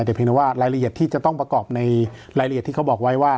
แต่เพียงแต่ว่ารายละเอียดที่จะต้องประกอบในรายละเอียดที่เขาบอกไว้ว่า